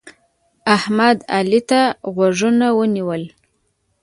احمد؛ علي ته غوږونه ونیول.